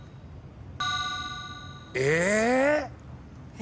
え！